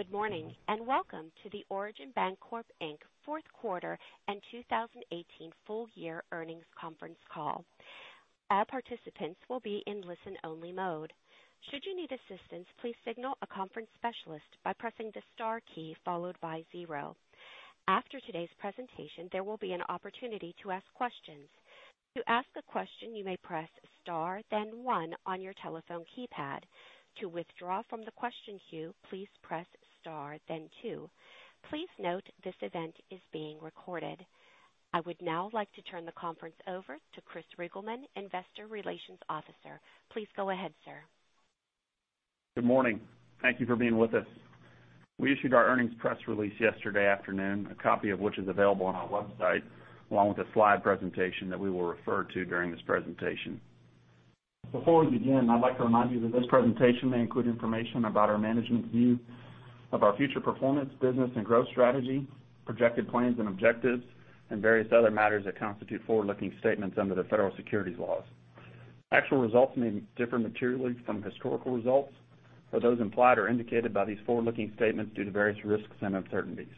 Good morning. Welcome to the Origin Bancorp, Inc Fourth Quarter and 2018 Full Year Earnings Conference Call. All participants will be in listen-only mode. Should you need assistance, please signal a conference specialist by pressing the star key followed by zero. After today's presentation, there will be an opportunity to ask questions. To ask a question, you may press star then one on your telephone keypad. To withdraw from the question queue, please press star then two. Please note this event is being recorded. I would now like to turn the conference over to Chris Reigelman, Investor Relations Officer. Please go ahead, sir. Good morning. Thank you for being with us. We issued our earnings press release yesterday afternoon, a copy of which is available on our website, along with a slide presentation that we will refer to during this presentation. Before we begin, I'd like to remind you that this presentation may include information about our management's view of our future performance, business and growth strategy, projected plans and objectives, and various other matters that constitute forward-looking statements under the federal securities laws. Actual results may differ materially from historical results, or those implied or indicated by these forward-looking statements due to various risks and uncertainties.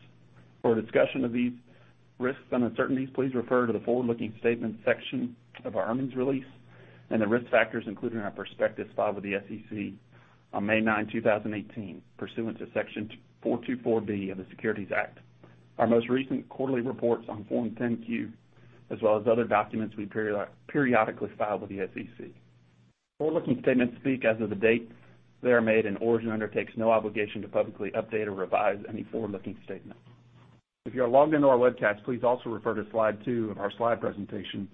For a discussion of these risks and uncertainties, please refer to the forward-looking statements section of our earnings release and the risk factors included in our prospectus filed with the SEC on May 9, 2018, pursuant to Section 424 of the Securities Act. Our most recent quarterly reports on Form 10-Q, as well as other documents we periodically file with the SEC. Forward-looking statements speak as of the date they are made. Origin Bancorp, Inc undertakes no obligation to publicly update or revise any forward-looking statements. If you are logged into our webcast, please also refer to slide two of our slide presentation,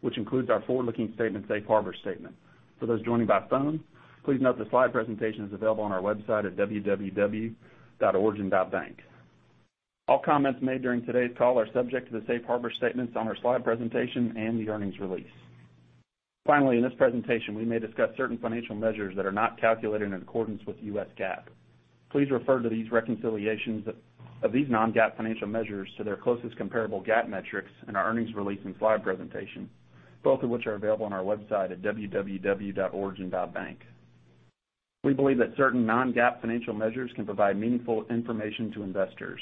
which includes our forward-looking statements safe harbor statement. For those joining by phone, please note the slide presentation is available on our website at www.origin.bank. All comments made during today's call are subject to the safe harbor statements on our slide presentation and the earnings release. Finally, in this presentation, we may discuss certain financial measures that are not calculated in accordance with the U.S. GAAP. Please refer to these reconciliations of these non-GAAP financial measures to their closest comparable GAAP metrics in our earnings release and slide presentation, both of which are available on our website at www.origin.bank. We believe that certain non-GAAP financial measures can provide meaningful information to investors.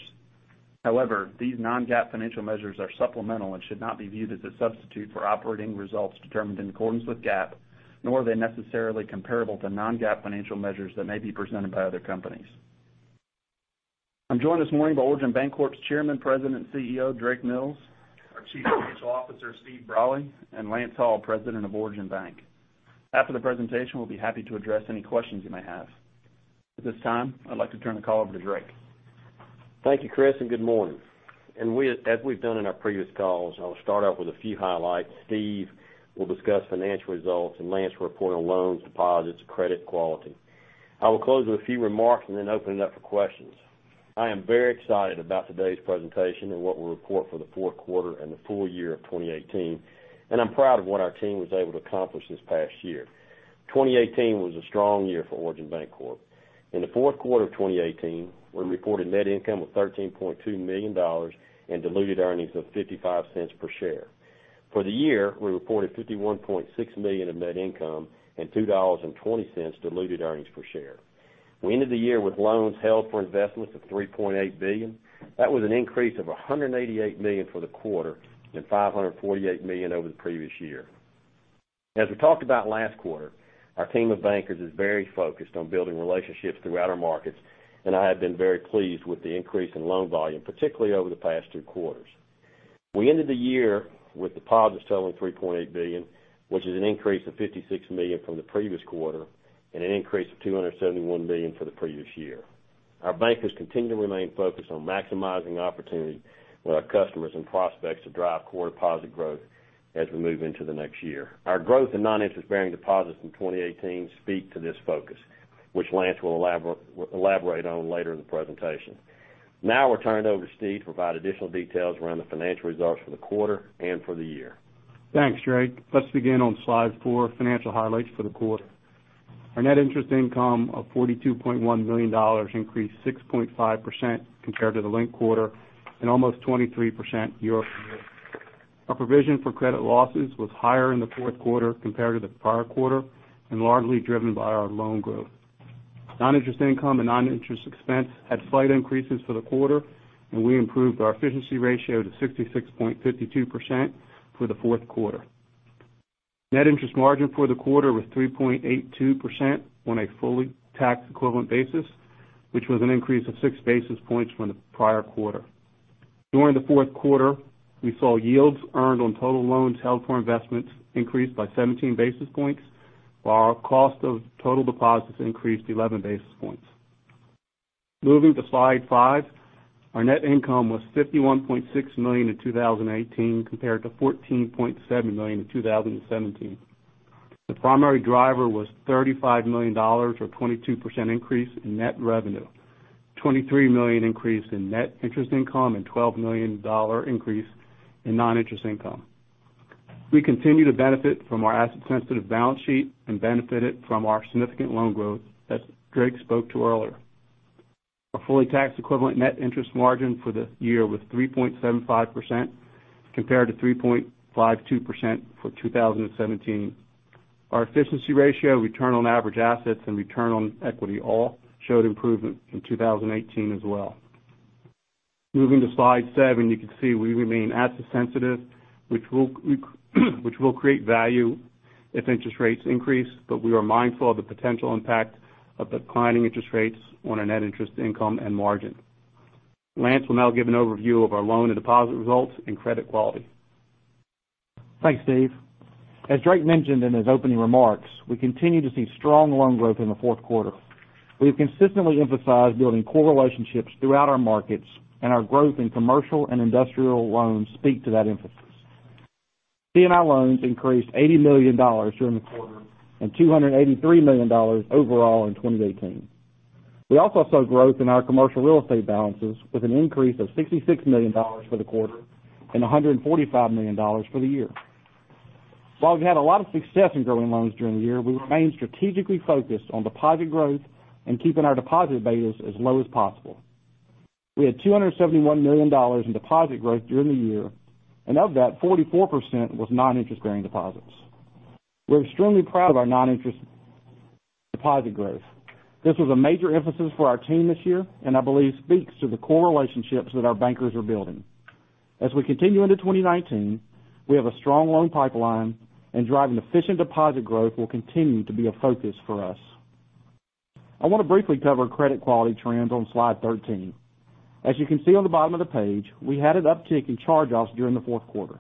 However, these non-GAAP financial measures are supplemental and should not be viewed as a substitute for operating results determined in accordance with GAAP, nor are they necessarily comparable to non-GAAP financial measures that may be presented by other companies. I'm joined this morning by Origin Bancorp's Inc Chairman, President, CEO, Drake Mills, our Chief Financial Officer, Steve Brolly, and Lance Hall, President of Origin Bancorp, Inc. After the presentation, we'll be happy to address any questions you may have. At this time, I'd like to turn the call over to Drake Mills. Thank you, Chris Reigelman, and good morning. As we've done in our previous calls, I'll start off with a few highlights. Steve Brolly will discuss financial results and Lance Hall will report on loans, deposits, credit quality. I will close with a few remarks and then open it up for questions. I am very excited about today's presentation and what we'll report for the fourth quarter and the full year of 2018, and I'm proud of what our team was able to accomplish this past year. 2018 was a strong year for Origin Bancorp, Inc. In the fourth quarter of 2018, we reported net income of $13.2 million and diluted earnings of $0.55 per share. For the year, we reported $51.6 million in net income and $2.20 diluted earnings per share. We ended the year with loans held for investments of $3.8 billion. That was an increase of $188 million for the quarter and $548 million over the previous year. As we talked about last quarter, our team of bankers is very focused on building relationships throughout our markets, and I have been very pleased with the increase in loan volume, particularly over the past two quarters. We ended the year with deposits totaling $3.8 billion, which is an increase of $56 million from the previous quarter and an increase of $271 million for the previous year. Our bankers continue to remain focused on maximizing opportunity with our customers and prospects to drive core deposit growth as we move into the next year. Our growth in noninterest-bearing deposits in 2018 speak to this focus, which Lance Hall will elaborate on later in the presentation. Now I'll turn it over to Steve Brolly to provide additional details around the financial results for the quarter and for the year. Thanks, Drake Mills. Let's begin on slide four, financial highlights for the quarter. Our net interest income of $42.1 million increased 6.5% compared to the linked quarter and almost 23% year-over-year. Our provision for credit losses was higher in the fourth quarter compared to the prior quarter and largely driven by our loan growth. Non-interest income and non-interest expense had slight increases for the quarter, and we improved our efficiency ratio to 66.52% for the fourth quarter. Net interest margin for the quarter was 3.82% on a fully tax-equivalent basis, which was an increase of six basis points from the prior quarter. During the fourth quarter, we saw yields earned on total loans held for investments increase by 17 basis points, while our cost of total deposits increased 11 basis points. Moving to slide five, our net income was $51.6 million in 2018 compared to $14.7 million in 2017. The primary driver was $35 million, or a 22% increase in net revenue, $23 million increase in net interest income, and a $12 million increase in noninterest income. We continue to benefit from our asset-sensitive balance sheet and benefited from our significant loan growth, as Drake Mills spoke to earlier. Our fully tax-equivalent net interest margin for the year was 3.75% compared to 3.52% for 2017. Our efficiency ratio, return on average assets, and return on equity all showed improvement in 2018 as well. Moving to slide seven, you can see we remain asset sensitive, which will create value if interest rates increase, but we are mindful of the potential impact of declining interest rates on our net interest income and margin. Lance Hall will now give an overview of our loan and deposit results and credit quality. Thanks, Steve Brolly. As Drake Mills mentioned in his opening remarks, we continue to see strong loan growth in the fourth quarter. We have consistently emphasized building core relationships throughout our markets. Our growth in commercial and industrial loans speak to that emphasis. C&I loans increased $80 million during the quarter and $283 million overall in 2018. We also saw growth in our commercial real estate balances with an increase of $66 million for the quarter and $145 million for the year. While we had a lot of success in growing loans during the year, we remain strategically focused on deposit growth and keeping our deposit betas as low as possible. We had $271 million in deposit growth during the year. Of that, 44% was noninterest-bearing deposits. We're extremely proud of our noninterest deposit growth. This was a major emphasis for our team this year. I believe speaks to the core relationships that our bankers are building. As we continue into 2019, we have a strong loan pipeline. Driving efficient deposit growth will continue to be a focus for us. I want to briefly cover credit quality trends on slide 13. As you can see on the bottom of the page, we had an uptick in charge-offs during the fourth quarter.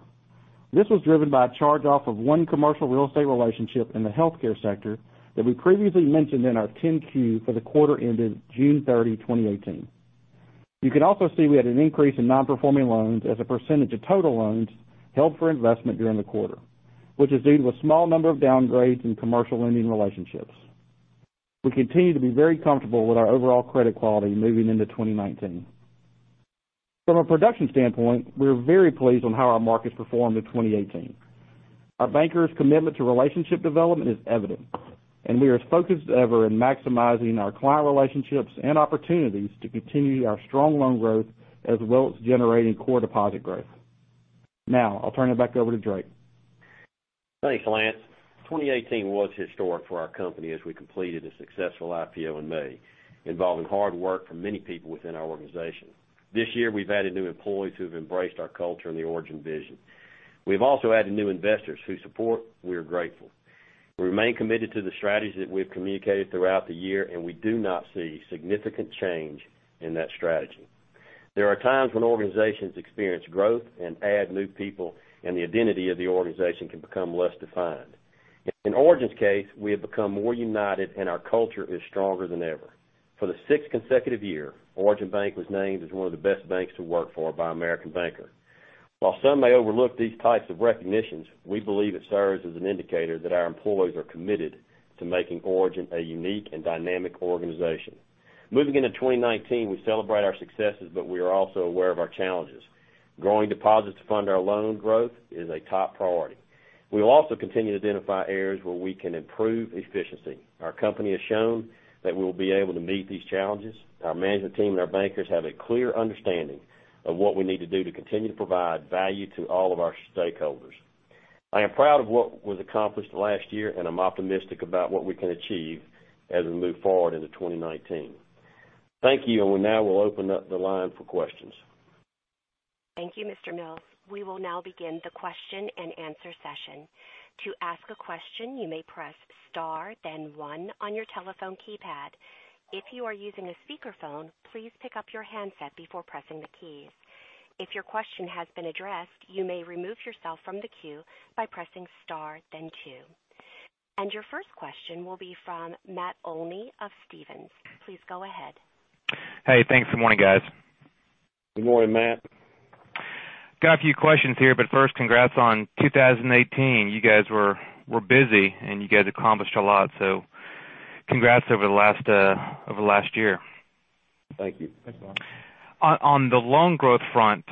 This was driven by a charge-off of one commercial real estate relationship in the healthcare sector that we previously mentioned in our 10-Q for the quarter ended June 30, 2018. You can also see we had an increase in non-performing loans as a percentage of total loans held for investment during the quarter, which is due to a small number of downgrades in commercial lending relationships. We continue to be very comfortable with our overall credit quality moving into 2019. From a production standpoint, we're very pleased on how our markets performed in 2018. Our bankers' commitment to relationship development is evident, and we are as focused as ever in maximizing our client relationships and opportunities to continue our strong loan growth as well as generating core deposit growth. I'll turn it back over to Drake Mills. Thanks, Lance Hall. 2018 was historic for our company as we completed a successful IPO in May, involving hard work from many people within our organization. This year, we've added new employees who have embraced our culture and the Origin Bancorp, Inc vision. We have also added new investors, whose support we are grateful. We remain committed to the strategies that we've communicated throughout the year, we do not see significant change in that strategy. There are times when organizations experience growth and add new people, the identity of the organization can become less defined. In Origin Bancorp, Inc's case, we have become more united and our culture is stronger than ever. For the sixth consecutive year, Origin Bancorp, Inc was named as one of the best banks to work for by American Banker. While some may overlook these types of recognitions, we believe it serves as an indicator that our employees are committed to making Origin Bancorp, Inc a unique and dynamic organization. Moving into 2019, we celebrate our successes, we are also aware of our challenges. Growing deposits to fund our loan growth is a top priority. We will also continue to identify areas where we can improve efficiency. Our company has shown that we'll be able to meet these challenges. Our management team and our bankers have a clear understanding of what we need to do to continue to provide value to all of our stakeholders. I am proud of what was accomplished last year, I'm optimistic about what we can achieve as we move forward into 2019. Thank you, we now will open up the line for questions. Thank you, Mr. Drake Mills. We will now begin the question and answer session. To ask a question, you may press star then one on your telephone keypad. If you are using a speakerphone, please pick up your handset before pressing the keys. If your question has been addressed, you may remove yourself from the queue by pressing star then two. Your first question will be from Matt Olney of Stephens. Please go ahead. Hey, thanks. Good morning, guys. Good morning, Matt Olney. Got a few questions here. First, congrats on 2018. You guys were busy. You guys accomplished a lot. Congrats over the last year. Thank you. Thanks, Matt Olney. On the loan growth front,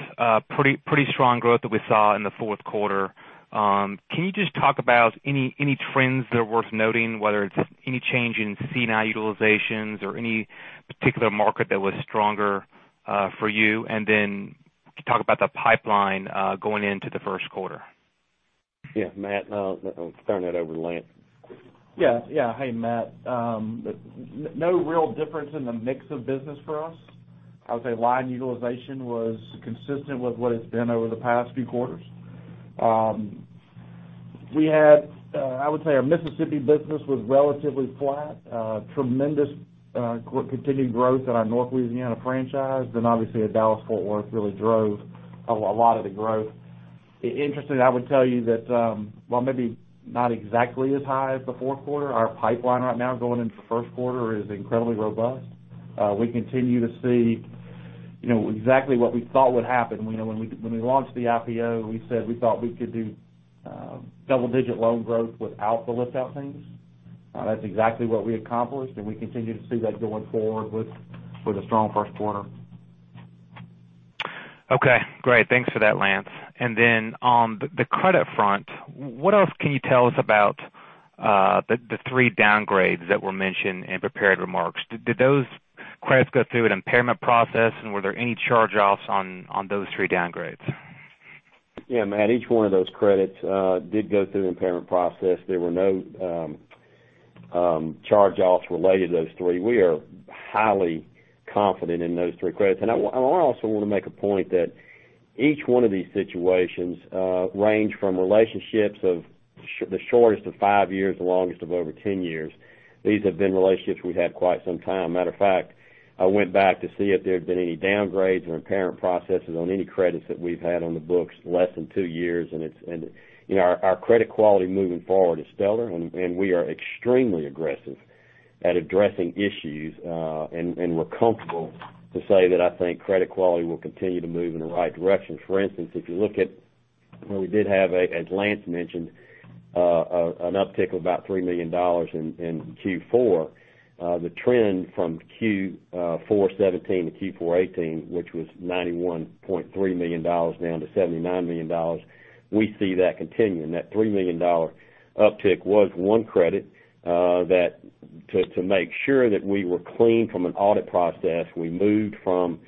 pretty strong growth that we saw in the fourth quarter. Can you just talk about any trends that are worth noting, whether it's any change in C&I utilizations or any particular market that was stronger for you? Then can you talk about the pipeline going into the first quarter? Yeah, Matt Olney. I'll turn that over to Lance Hall. Yeah. Hey, Matt Olney. No real difference in the mix of business for us. I would say line utilization was consistent with what it's been over the past few quarters. We had, I would say, our Mississippi business was relatively flat. Tremendous continued growth in our North Louisiana franchise, then obviously our Dallas-Fort Worth really drove a lot of the growth. Interesting, I would tell you that while maybe not exactly as high as the fourth quarter, our pipeline right now going into first quarter is incredibly robust. We continue to see exactly what we thought would happen. When we launched the IPO, we said we thought we could do double-digit loan growth without the lift-out things. That's exactly what we accomplished, and we continue to see that going forward with a strong first quarter. Okay. Great. Thanks for that, Lance Hall. On the credit front, what else can you tell us about the three downgrades that were mentioned in prepared remarks? Did those credits go through an impairment process, and were there any charge-offs on those three downgrades? Yeah, Matt Olney, each one of those credits did go through the impairment process. There were no charge-offs related to those three. We are highly confident in those three credits. I also want to make a point that each one of these situations range from relationships of the shortest of five years, the longest of over 10 years. These have been relationships we've had quite some time. Matter of fact, I went back to see if there had been any downgrades or impairment processes on any credits that we've had on the books less than two years, and our credit quality moving forward is stellar, and we are extremely aggressive at addressing issues, and we're comfortable to say that I think credit quality will continue to move in the right direction. For instance, if you look at when we did have, as Lance Hall mentioned, an uptick of about $3 million in Q4, the trend from Q4 2017-Q4 2018, which was $91.3 million down to $79 million, we see that continuing. That $3 million uptick was one credit that to make sure that we were clean from an audit process, we moved from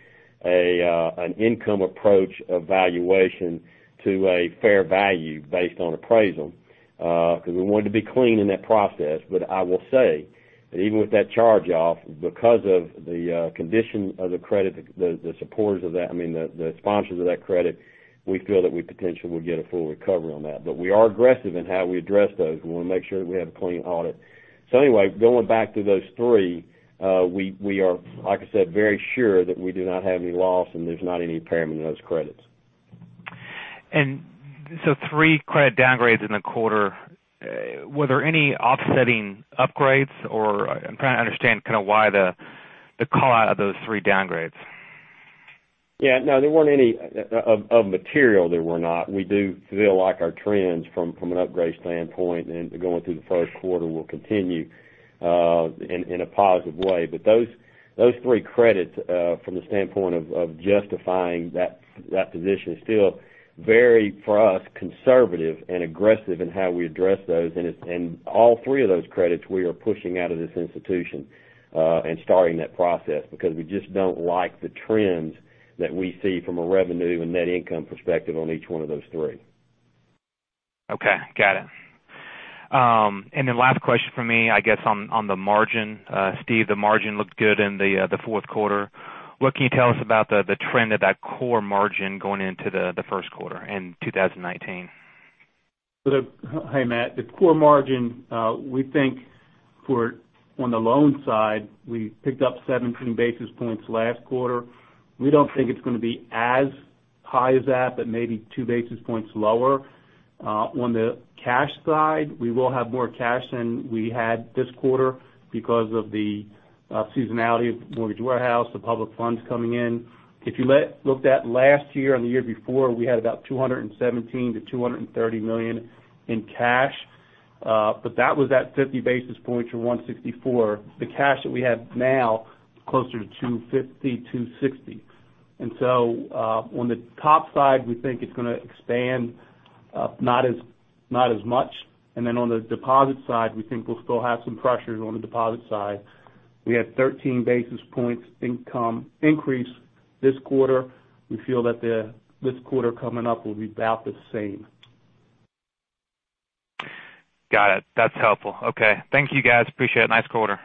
an income approach valuation to a fair value based on appraisal, because we wanted to be clean in that process. I will say that even with that charge-off, because of the condition of the credit, I mean, the sponsors of that credit, we feel that we potentially will get a full recovery on that. We are aggressive in how we address those. We want to make sure that we have a clean audit. Going back to those three, we are, like I said, very sure that we do not have any loss and there's not any impairment in those credits. Three credit downgrades in the quarter. Were there any offsetting upgrades, or I'm trying to understand kind of why the call out of those three downgrades. No, there weren't any of material, there were not. We do feel like our trends from an upgrade standpoint and going through the first quarter will continue in a positive way. Those three credits, from the standpoint of justifying that position, are still very, for us, conservative and aggressive in how we address those. All three of those credits we are pushing out of this institution, and starting that process because we just don't like the trends that we see from a revenue and net income perspective on each one of those three. Okay, got it. Last question from me, I guess, on the margin. Steve Brolly, the margin looked good in the fourth quarter. What can you tell us about the trend of that core margin going into the first quarter in 2019? Hey, Matt Olney. The core margin, we think on the loan side, we picked up 17 basis points last quarter. We don't think it's going to be as high as that, but maybe two basis points lower. On the cash side, we will have more cash than we had this quarter because of the seasonality of mortgage warehouse, the public funds coming in. If you looked at last year and the year before, we had about $217 million-$230 million in cash. That was at 50 basis points or $164. The cash that we have now is closer to $250, $260. On the top side, we think it's going to expand not as much. On the deposit side, we think we'll still have some pressures on the deposit side. We had 13 basis points income increase this quarter. We feel that this quarter coming up will be about the same. Got it. That's helpful. Okay. Thank you, guys. Appreciate it. Nice quarter.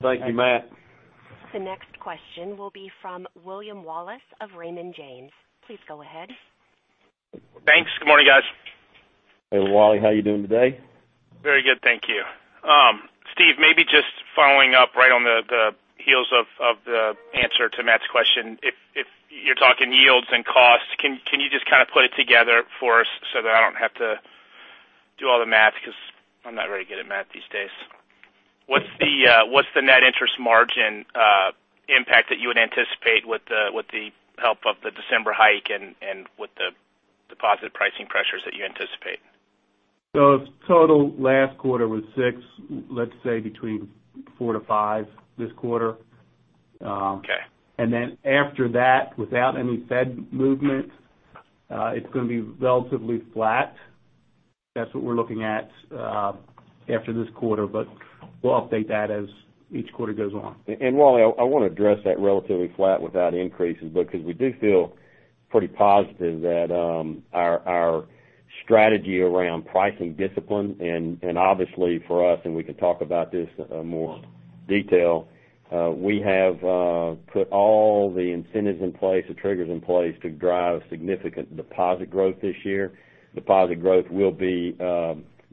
Thank you, Matt Olney. The next question will be from William Wallace of Raymond James. Please go ahead. Thanks. Good morning, guys. Hey, William Wallace. How you doing today? Very good, thank you. Steve Brolly, maybe just following up right on the heels of the answer to Matt Olney's question. If you're talking yields and costs, can you just kind of put it together for us so that I don't have to do all the math? Because I'm not very good at math these days. What's the net interest margin impact that you would anticipate with the help of the December hike and with the deposit pricing pressures that you anticipate? Total last quarter was six, let's say between four to five this quarter. Okay. After that, without any Fed movement, it's going to be relatively flat. That's what we're looking at after this quarter, we'll update that as each quarter goes on. William Wallace, I want to address that relatively flat without increases because we do feel pretty positive that our strategy around pricing discipline and obviously for us, and we can talk about this in more detail, we have put all the incentives in place, the triggers in place to drive significant deposit growth this year. Deposit growth will be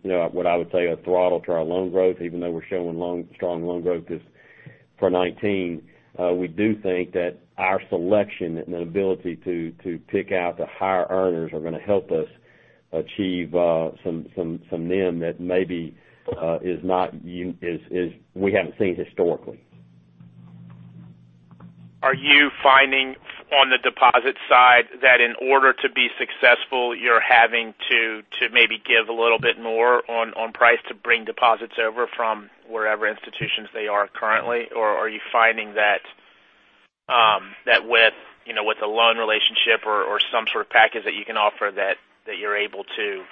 what I would say a throttle to our loan growth, even though we're showing strong loan growth for 2019. We do think that our selection and the ability to pick out the higher earners are going to help us achieve some NIM that maybe we haven't seen historically. Are you finding on the deposit side that in order to be successful, you're having to maybe give a little bit more on price to bring deposits over from wherever institutions they are currently? Are you finding that with a loan relationship or some sort of package that you can offer that you're able to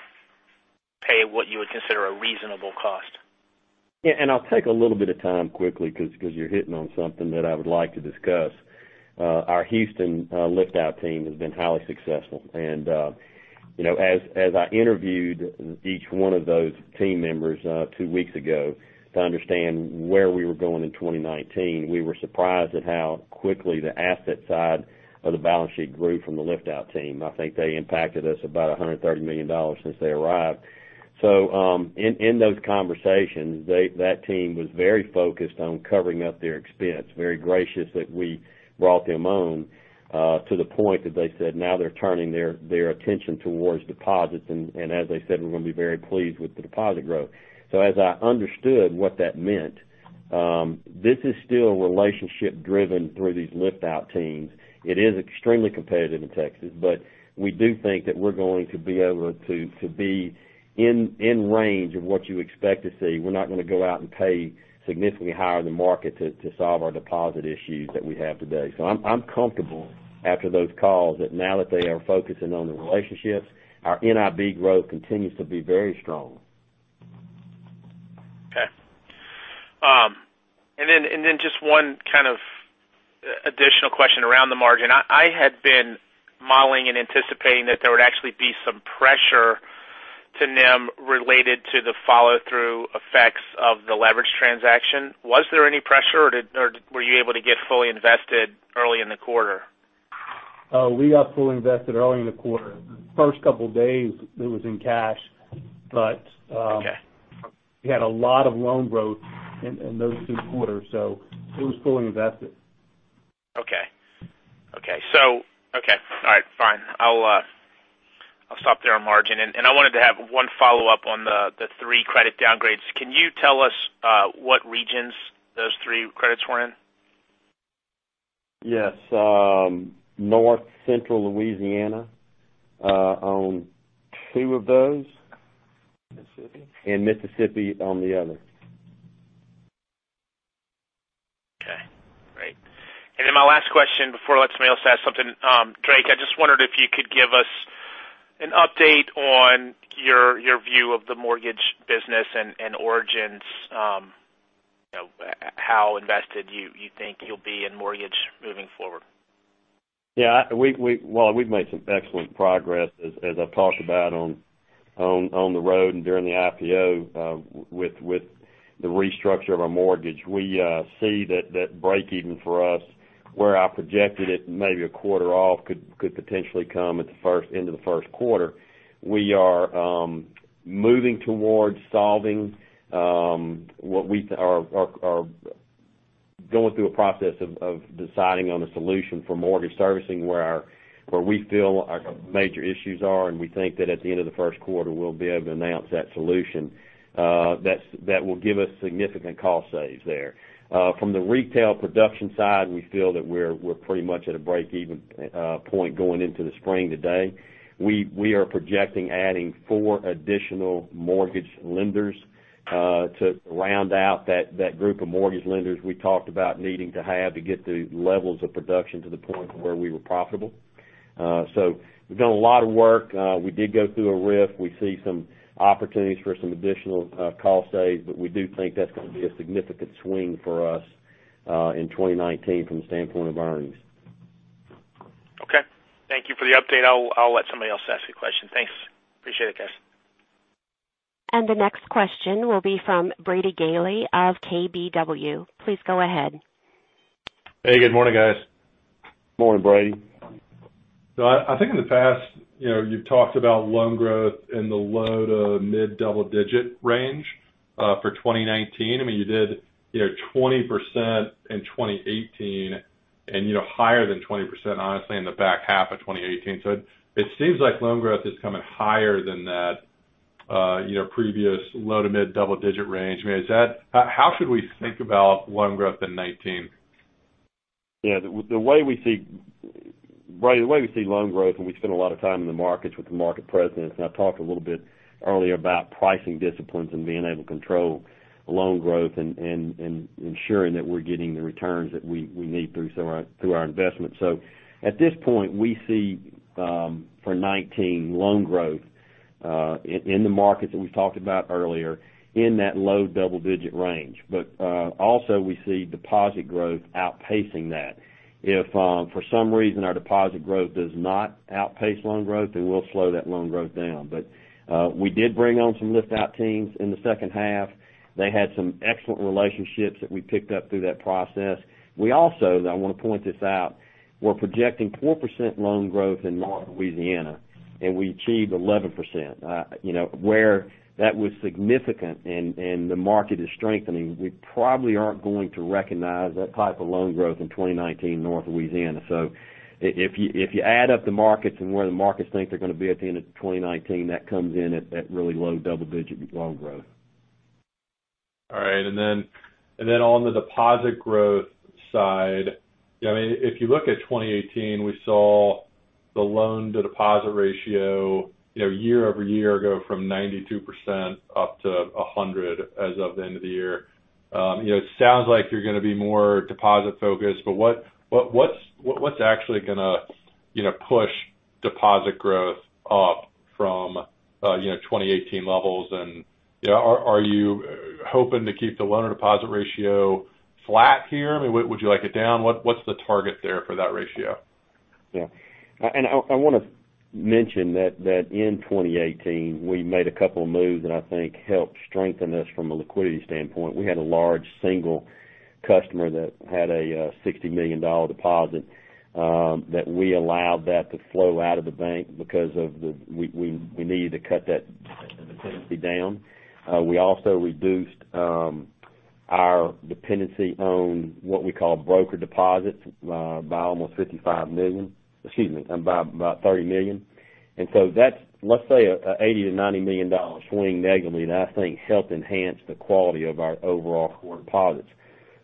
pay what you would consider a reasonable cost. Yeah, I'll take a little bit of time quickly because you're hitting on something that I would like to discuss. Our Houston lift-out team has been highly successful. As I interviewed each one of those team members two weeks ago to understand where we were going in 2019, we were surprised at how quickly the asset side of the balance sheet grew from the lift-out team. I think they impacted us about $130 million since they arrived. In those conversations, that team was very focused on covering up their expense, very gracious that we brought them on, to the point that they said now they're turning their attention towards deposits. As they said, we're going to be very pleased with the deposit growth. As I understood what that meant, this is still relationship-driven through these lift-out teams. It is extremely competitive in Texas, but we do think that we're going to be able to be in range of what you expect to see. We're not going to go out and pay significantly higher than market to solve our deposit issues that we have today. I'm comfortable after those calls that now that they are focusing on the relationships, our NIB growth continues to be very strong. Okay. Just one kind of additional question around the margin. I had been modeling and anticipating that there would actually be some pressure to NIM related to the follow-through effects of the leverage transaction. Was there any pressure, or were you able to get fully invested early in the quarter? We got fully invested early in the quarter. The first couple of days, it was in cash. Okay. We had a lot of loan growth in those two quarters, it was fully invested. Okay. All right, fine. I'll stop there on margin. I wanted to have one follow-up on the three credit downgrades. Can you tell us what regions those three credits were in? Yes. North Central Louisiana on two of those. Mississippi. Mississippi on the other. Okay, great. My last question before I let somebody else ask something. Drake Mills, I just wondered if you could give us an update on your view of the mortgage business and Origin Bancorp, Inc's, how invested you think you'll be in mortgage moving forward. Well, we've made some excellent progress as I've talked about on the road and during the IPO, with the restructure of our mortgage. We see that break even for us, where I projected it maybe a quarter off could potentially come at the end of the first quarter. We are moving towards going through a process of deciding on a solution for mortgage servicing where we feel our major issues are, and we think that at the end of the first quarter, we'll be able to announce that solution. That will give us significant cost saves there. From the retail production side, we feel that we're pretty much at a break-even point going into the spring today. We are projecting adding four additional mortgage lenders, to round out that group of mortgage lenders we talked about needing to have to get the levels of production to the point where we were profitable. We've done a lot of work. We did go through a RIF. We see some opportunities for some additional cost saves, we do think that's going to be a significant swing for us, in 2019 from the standpoint of earnings. Okay. Thank you for the update. I'll let somebody else ask a question. Thanks. Appreciate it, guys. The next question will be from Brady Gailey of KBW. Please go ahead. Hey, good morning, guys. Morning, Brady Gailey. I think in the past, you've talked about loan growth in the low to mid-double digit range, for 2019. You did 20% in 2018 and higher than 20%, honestly, in the back half of 2018. It seems like loan growth is coming higher than that previous low to mid-double digit range. How should we think about loan growth in 2019? Yeah. Brady Gailey, the way we see loan growth, we spend a lot of time in the markets with the market presidents, I've talked a little bit earlier about pricing disciplines and being able to control loan growth and ensuring that we're getting the returns that we need through our investments. At this point, we see, for 2019, loan growth, in the markets that we talked about earlier, in that low double-digit range. Also we see deposit growth outpacing that. If, for some reason, our deposit growth does not outpace loan growth, then we'll slow that loan growth down. We did bring on some lift-out teams in the second half. They had some excellent relationships that we picked up through that process. We also, I want to point this out, we're projecting 4% loan growth in North Louisiana, and we achieved 11%. Where that was significant and the market is strengthening, we probably aren't going to recognize that type of loan growth in 2019 in North Louisiana. If you add up the markets and where the markets think they're going to be at the end of 2019, that comes in at that really low double-digit loan growth. All right. On the deposit growth side, if you look at 2018, we saw the loan-to-deposit ratio year-over-year go from 92% up to 100% as of the end of the year. It sounds like you're going to be more deposit-focused, what's actually going to push deposit growth up from 2018 levels, and are you hoping to keep the loan or deposit ratio flat here? I mean, would you like it down? What's the target there for that ratio? Yeah. I want to mention that in 2018, we made a couple moves that I think helped strengthen us from a liquidity standpoint. We had a large single customer that had a $60 million deposit, that we allowed that to flow out of the bank because we needed to cut that dependency down. We also reduced our dependency on what we call brokered deposits by almost $55 million, excuse me, by about $30 million. That's, let's say, an $80 million-$90 million swing negatively that I think helped enhance the quality of our overall core deposits.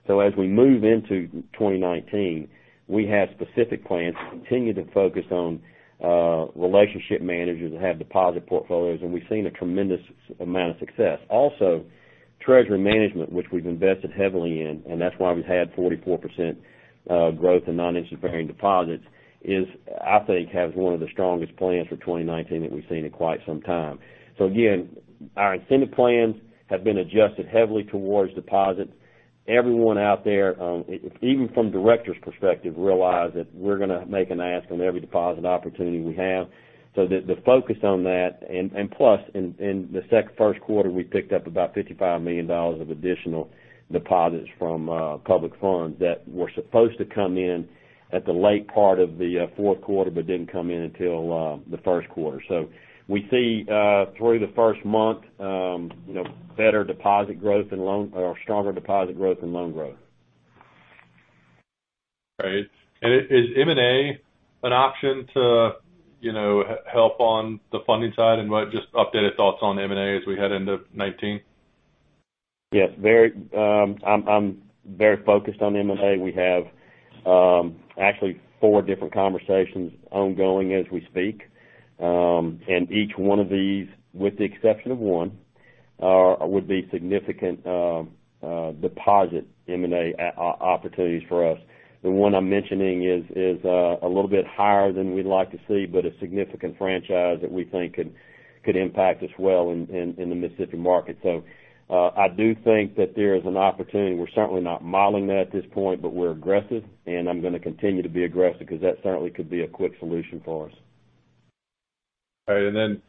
As we move into 2019, we have specific plans to continue to focus on relationship managers that have deposit portfolios, and we've seen a tremendous amount of success. Also, treasury management, which we've invested heavily in, and that's why we've had 44% growth in noninterest-bearing deposits, I think, has one of the strongest plans for 2019 that we've seen in quite some time. Again, our incentive plans have been adjusted heavily towards deposits. Everyone out there, even from directors' perspective, realize that we're going to make an ask on every deposit opportunity we have. The focus on that, and plus, in the first quarter, we picked up about $55 million of additional deposits from public funds that were supposed to come in at the late part of the fourth quarter but didn't come in until the first quarter. We see, through the first month, better deposit growth and stronger deposit growth and loan growth. Right. Is M&A an option to help on the funding side, and just updated thoughts on M&A as we head into 2019? Yes, I'm very focused on M&A. We have actually four different conversations ongoing as we speak. Each one of these, with the exception of one, would be significant deposit M&A opportunities for us. The one I'm mentioning is a little bit higher than we'd like to see, but a significant franchise that we think could impact us well in the Mississippi market. I do think that there is an opportunity. We're certainly not modeling that at this point, but we're aggressive, and I'm going to continue to be aggressive, because that certainly could be a quick solution for us. All right.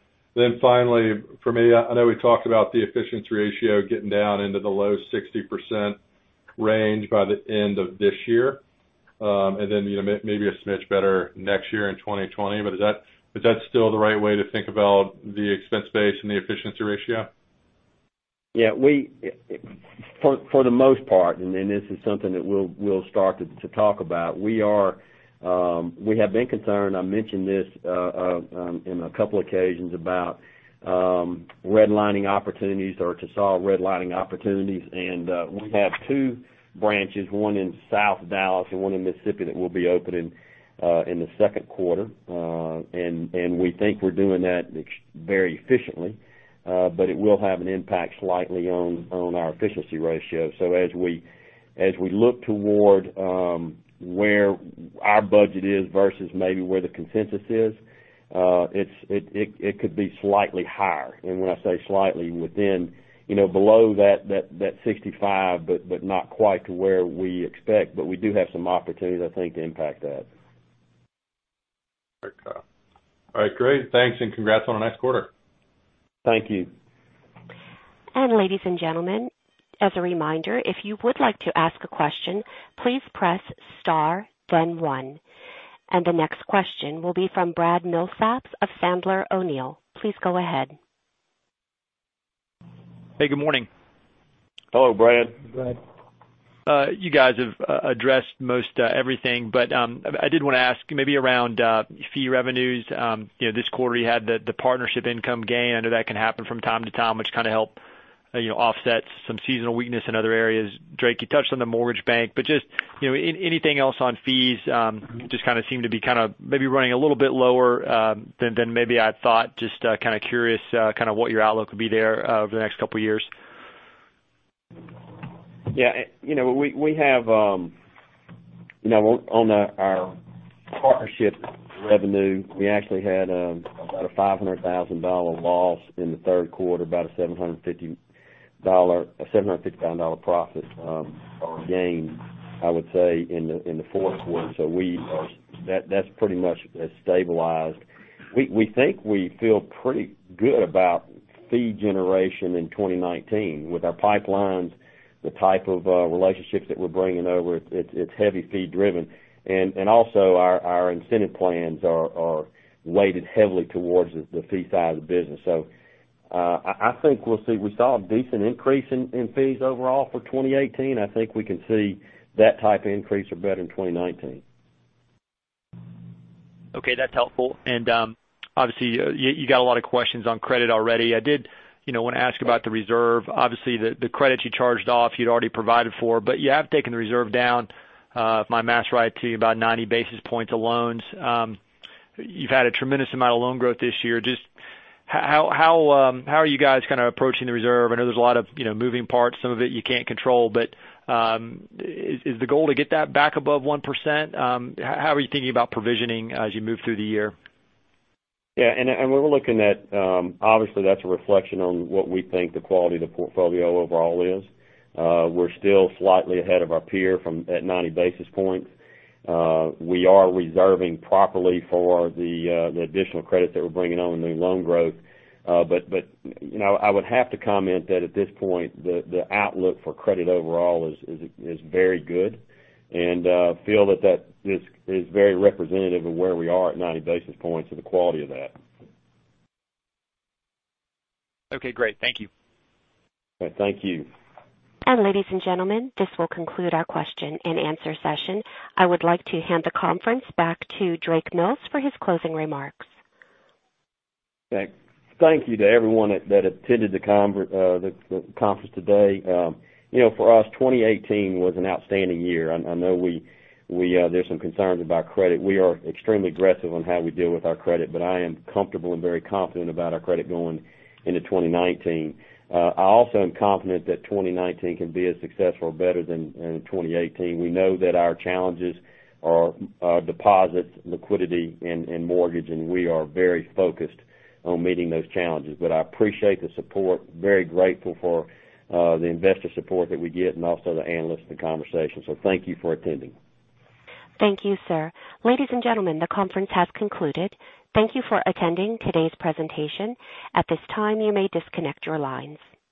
Finally, for me, I know we talked about the efficiency ratio getting down into the low 60% range by the end of this year. Maybe a smidge better next year in 2020. Is that still the right way to think about the expense base and the efficiency ratio? Yeah. For the most part, this is something that we'll start to talk about, we have been concerned, I mentioned this in a couple occasions, about redlining opportunities or to saw redlining opportunities. We have two branches, one in South Dallas and one in Mississippi, that we'll be opening in the second quarter. We think we're doing that very efficiently, but it will have an impact slightly on our efficiency ratio. As we look toward where our budget is versus maybe where the consensus is, it could be slightly higher. When I say slightly, within below that 65, but not quite to where we expect. We do have some opportunities, I think, to impact that. Okay. All right, great. Thanks, and congrats on a nice quarter. Thank you. Ladies and gentlemen, as a reminder, if you would like to ask a question, please press star, then one. The next question will be from Brad Milsaps of Sandler O'Neill. Please go ahead. Hey, good morning. Hello, Brad Milsaps. Brad Milsaps. You guys have addressed most everything. I did want to ask maybe around fee revenues. This quarter you had the partnership income gain. I know that can happen from time to time, which kind of helped offset some seasonal weakness in other areas. Drake Mills, you touched on the mortgage bank, but just anything else on fees? Just kind of seemed to be maybe running a little bit lower than maybe I'd thought. Just kind of curious what your outlook would be there over the next couple of years. On our partnership revenue, we actually had about a $500,000 loss in the third quarter, about a $750 profit, or gain, I would say, in the fourth quarter. That's pretty much stabilized. We feel pretty good about fee generation in 2019. With our pipelines, the type of relationships that we're bringing over, it's heavy fee driven. Also, our incentive plans are weighted heavily towards the fee side of the business. I think we'll see. We saw a decent increase in fees overall for 2018. I think we can see that type of increase or better in 2019. That's helpful. Obviously, you got a lot of questions on credit already. I did want to ask about the reserve. Obviously, the credits you charged off, you'd already provided for, you have taken the reserve down, if my math's right to you, about 90 basis points of loans. You've had a tremendous amount of loan growth this year. Just how are you guys kind of approaching the reserve? I know there's a lot of moving parts, some of it you can't control, but is the goal to get that back above 1%? How are you thinking about provisioning as you move through the year? Yeah, obviously, that's a reflection on what we think the quality of the portfolio overall is. We're still slightly ahead of our peer from, at 90 basis points. We are reserving properly for the additional credit that we're bringing on in new loan growth. I would have to comment that at this point, the outlook for credit overall is very good, and feel that this is very representative of where we are at 90 basis points and the quality of that. Okay, great. Thank you. Thank you. Ladies and gentlemen, this will conclude our question and answer session. I would like to hand the conference back to Drake Mills for his closing remarks. Thanks. Thank you to everyone that attended the conference today. For us, 2018 was an outstanding year. I know there's some concerns about credit. We are extremely aggressive on how we deal with our credit, I am comfortable and very confident about our credit going into 2019. I also am confident that 2019 can be as successful or better than 2018. We know that our challenges are deposits, liquidity, and mortgage, and we are very focused on meeting those challenges. I appreciate the support, very grateful for the investor support that we get and also the analysts and the conversation. Thank you for attending. Thank you, sir. Ladies and gentlemen, the conference has concluded. Thank you for attending today's presentation. At this time, you may disconnect your lines.